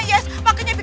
ini buat apa